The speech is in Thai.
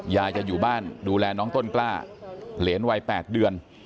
ยายจะอยู่บ้านดูแลน้องต้นกล้าเหรียญวัย๘เดือน